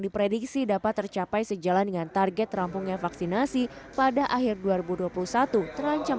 diprediksi dapat tercapai sejalan dengan target terampungnya vaksinasi pada akhir dua ribu dua puluh satu terancam